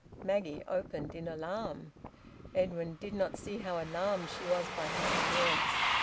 Maggie opened, in alarm. Edwin did not see how alarmed she was by his appearance.